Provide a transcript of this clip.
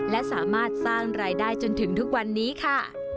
และสามารถสร้างรายได้จนถึงทุกวันนี้ค่ะ